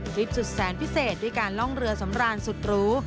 คลิปสุดแสนพิเศษด้วยการล่องเรือสำราญสุดรู้